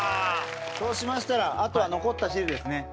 そうしましたらあとは残った汁ですね。